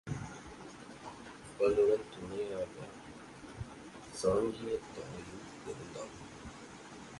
அவளுடன் துணையாகச் சாங்கியத் தாயும் இருந்தாள்.